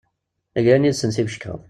Glan yid-sen s ibeckaḍ.